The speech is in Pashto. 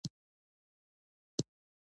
د غوښې خوړل د بدن کلسیم زیاتوي.